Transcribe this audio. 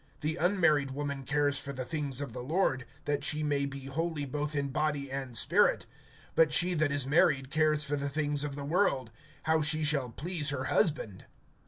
The unmarried woman cares for the things of the Lord, that she may be holy both in body and spirit; but she that is married cares for the things of the world, how she shall please her husband.